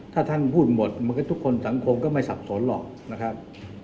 ถ้าท่านพูดหมดมันก็ทุกคนสังคมก็ไม่สับสนหรอกนะครับ